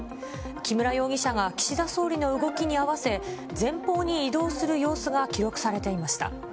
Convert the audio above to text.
木村容疑者が岸田総理の動きに合わせ、前方に移動する様子が記録されていました。